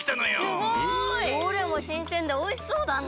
すごい！どれもしんせんでおいしそうだな！